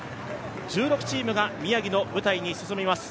１６チームが宮城の舞台に進みます。